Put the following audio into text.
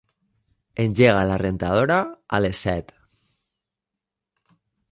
Engega la rentadora a les set.